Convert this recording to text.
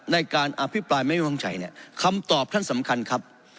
ในการอภิปรายไม่วางใจเนี่ยคำตอบท่านสำคัญครับ